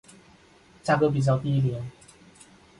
价格比较低廉。